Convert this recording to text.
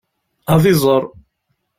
Ad iẓer.